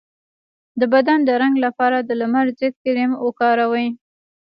د بدن د رنګ لپاره د لمر ضد کریم وکاروئ